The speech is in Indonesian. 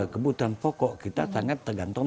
kebutuhan pokok kita sangat tergantung